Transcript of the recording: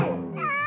あ！